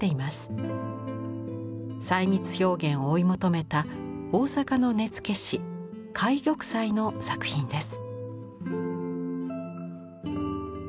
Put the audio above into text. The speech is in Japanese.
細密表現を追い求めた大坂の根付師懐玉斎の作品です。